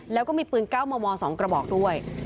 แล้วก็มีปืน๙มม๒กระบอกด้วย